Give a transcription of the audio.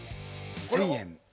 １０００円？